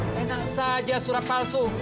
tenang saja surat palsu